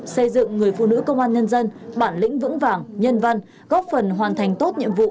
xây dựng người phụ nữ công an nhân dân bản lĩnh vững vàng nhân văn góp phần hoàn thành tốt nhiệm vụ